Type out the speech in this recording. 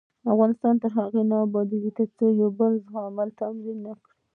افغانستان تر هغو نه ابادیږي، ترڅو د یو بل زغمل تمرین نکړو.